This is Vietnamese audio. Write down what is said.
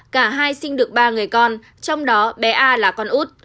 cả hai sinh được ba người con trong đó bé a là con út